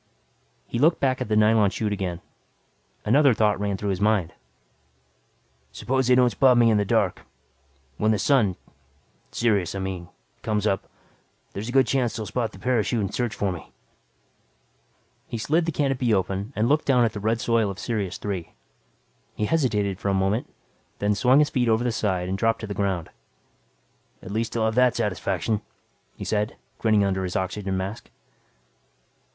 He looked back at the nylon chute again. Another thought ran through his mind. Suppose they don't spot me in the dark. When the sun Sirius, I mean comes up, there's a good chance they'll spot the parachute and search for him. He slid the canopy open and looked down at the red soil of Sirius Three. He hesitated for a moment, then swung his feet over the side and dropped to the ground. "At least I'll have that satisfaction," he said, grinning under his oxygen mask.